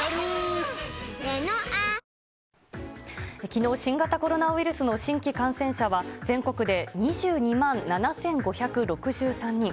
きのう、新型コロナウイルスの新規感染者は、全国で２２万７５６３人。